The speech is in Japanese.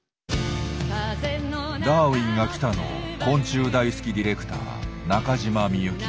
「ダーウィンが来た！」の昆虫大好きディレクター中島未由希。